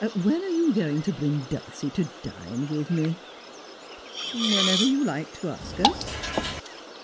When are you going to bring Dulcie to dine with me 1 '' Whenever you like to ask us.'